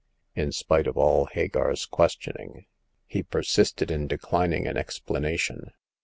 In spite of all Hagar's questioning, he persisted in declining an explanation.